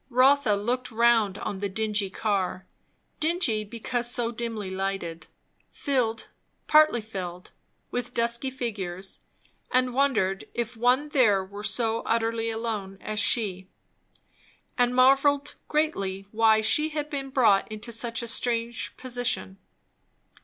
Rotha looked round on the dingy car, dingy because so dimly lighted; filled, partly filled, with dusky figures; and wondered if one there were so utterly alone as she, and marvelled greatly why she had been brought into such a strange position.